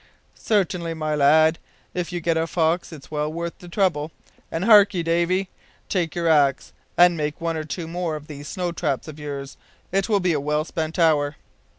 "Certainly, my lad. If you get a fox it's well worth the trouble. And hark'ee, Davy, take your axe and make one or two more of these snow traps of yours. It will be a well spent hour."